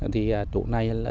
thì chỗ này là